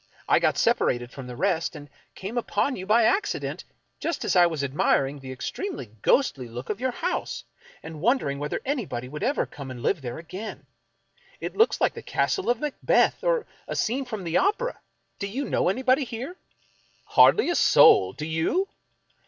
I got separated from the rest, and came upon you by accident, just as I was admiring the extremely ghostly look of your house, and wondering whether anybody would ever come and live there again. It looks like the castle of Macbeth, or a scene from the opera. Do you know anybody here ?"" Hardly a soul ! Do you?